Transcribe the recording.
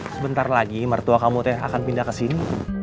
sebentar lagi mertua kamu akan pindah kesini